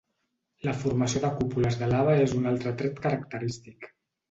La formació de cúpules de lava és un altre tret característic.